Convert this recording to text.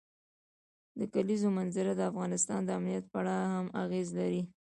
د کلیزو منظره د افغانستان د امنیت په اړه هم اغېز لري.